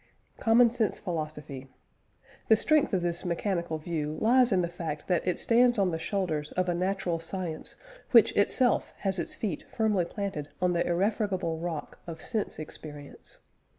COMMON SENSE PHILOSOPHY. The strength of this mechanical view lies in the fact that it stands on the shoulders of a natural science which itself has its feet firmly planted on the irrefragible rock of sense experience.